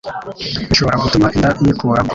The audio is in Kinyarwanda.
bishobora gutuma inda yikuramo